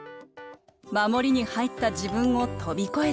守りに入った自分を飛びこえていく。